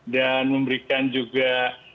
dan memberikan juga